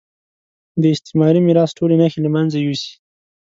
د استعماري میراث ټولې نښې له مېنځه یوسي.